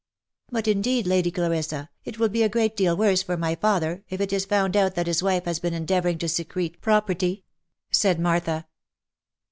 M But indeed, Lady Clarissa, it will be a great deal worse for my father, if it is found out that his wife has been endeavouring to secrete property,'* said Martha.